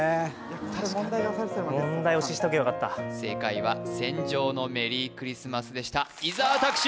押しあったね問題押ししときゃよかった正解は「戦場のメリークリスマス」でした伊沢拓司